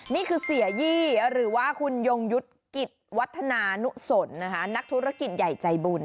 นี่คือเสียยี่หรือว่าคุณยงยุทธ์กิจวัฒนานุสนนะคะนักธุรกิจใหญ่ใจบุญ